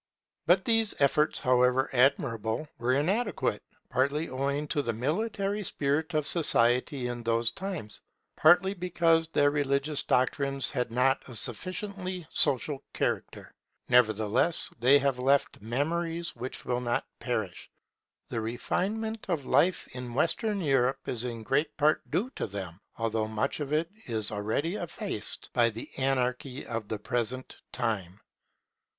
But these efforts, however admirable, were inadequate; partly owing to the military spirit of society in those times, partly because their religious doctrines had not a sufficiently social character. Nevertheless, they have left memories which will not perish. The refinement of life in Western Europe is in great part due to them, although much of it is already effaced by the anarchy of the present time.